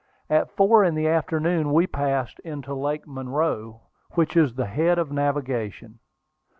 At four in the afternoon we passed into Lake Monroe, which is the head of navigation.